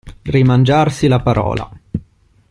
Rimangiarsi la parola.